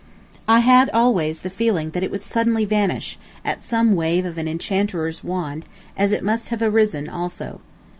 I had always the feeling that it would suddenly vanish, at some wave of an enchanter's wand, as it must have arisen also.